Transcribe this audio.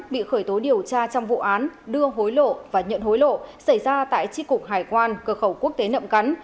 bị khởi tố điều tra trong vụ án đưa hối lộ và nhận hối lộ xảy ra tại tri cục hải quan cửa khẩu quốc tế nậm cắn